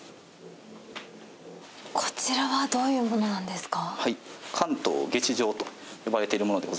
こちらはどういうものなんですか？